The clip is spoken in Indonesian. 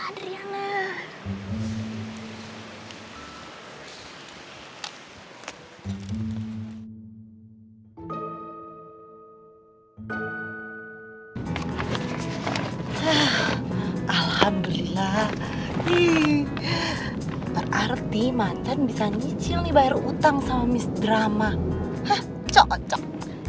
hai alhamdulillah ini berarti mancan bisa nyicil dibayar utang sama miss drama cocok